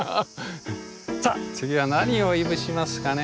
さあ次は何をいぶしますかね。